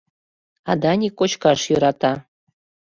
А Даник кочкаш йӧрата.